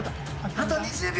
あと２０秒。